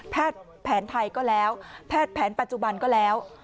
แผนไทยก็แล้วแพทย์แผนปัจจุบันก็แล้ว